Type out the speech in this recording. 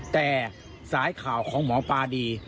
แต่สายข่าวของหมอปลาดี